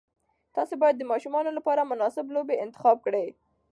تاسي باید د ماشومانو لپاره مناسب لوبې انتخاب کړئ.